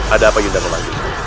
ada apa yunda memandu